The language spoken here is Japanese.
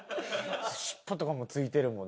尻尾とかも付いてるもん。